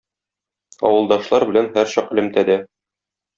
Авылдашлар белән һәрчак элемтәдә.